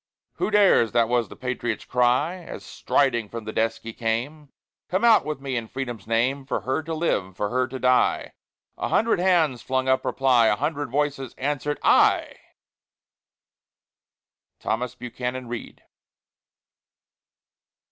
"Who dares" this was the patriot's cry, As striding from the desk he came "Come out with me, in Freedom's name, For her to live, for her to die?" A hundred hands flung up reply, A hundred voices answer'd, "I!" THOMAS BUCHANAN READ.